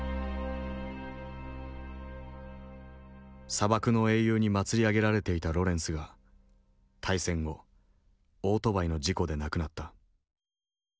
砂漠の英雄に祭り上げられていたロレンスが大戦後オートバイの事故で亡くなった。